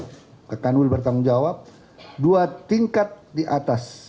kakan wilkemenkumham bertanggung jawab dua tingkat di atas